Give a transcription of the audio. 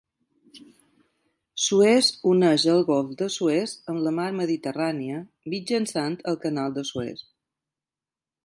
Suez uneix el golf de Suez amb la mar Mediterrània mitjançant el canal de Suez.